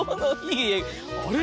あれ？